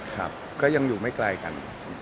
ครับก็ยังอยู่ไม่ไกลกัน